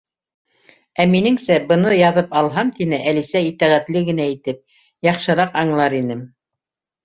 —Ә минеңсә, быны яҙып алһам, —тине Әлисә итәғәтле генә итеп, —яҡшыраҡ аңлар инем.